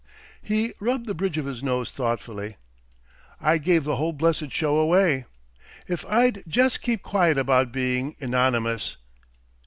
He rubbed the bridge of his nose thoughtfully. "I gave the whole blessed show away. If I'd j'es' kep quiet about being Enonymous....